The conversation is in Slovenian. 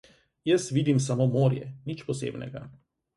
Jaz vidim samo morje, nič posebnega.